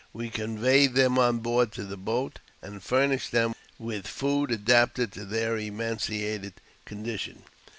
We conveyed them on board the boat, and furnished them with food adapted to their emaciated con dition.